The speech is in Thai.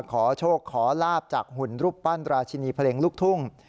ขอโชคขอลาบจากหุ่นรูปปั้นราชินีเพลงลูกทุ่ง